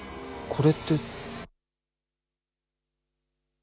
これって。